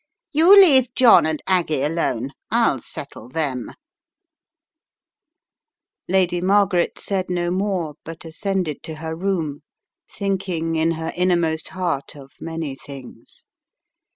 You leave John and Aggie alone, ni settle them: 9 Lady Margaret said no more but ascended to her room, thinking in her innermost heart of many things.